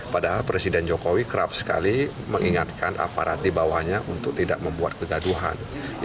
padahal presiden jokowi kerap sekali mengingatkan aparat di bawahnya untuk tidak membuat kegaduhan